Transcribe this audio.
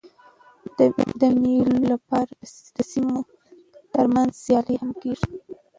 د مېلو له پاره د سیمو تر منځ سیالۍ هم کېږي.